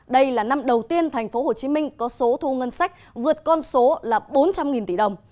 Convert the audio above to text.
đây là năm đầu tiên thành phố hồ chí minh có số thu ngân sách vượt con số là bốn trăm linh tỷ đồng